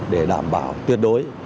để đảm bảo tuyệt đối